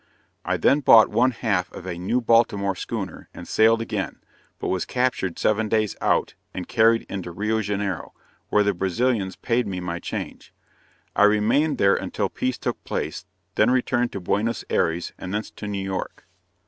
I then bought one half of a new Baltimore schooner, and sailed again, but was captured seven days out, and carried into Rio Janeiro, where the Brazilians paid me my change. I remained there until peace took place, then returned to Buenos Ayres, and thence to New York.